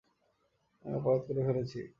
আমি অপরাধ করে ফেলেছি।